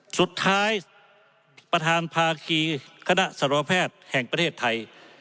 สุดท้ายประธานภาคีคณะสรแพทย์แห่งประเทศไทย